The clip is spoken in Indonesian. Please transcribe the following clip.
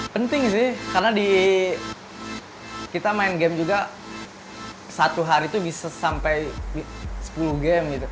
penting sih karena di kita main game juga satu hari itu bisa sampai sepuluh game gitu